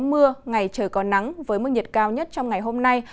mưa ngày trời có nắng với mức nhiệt cao nhất trong ngày hôm nay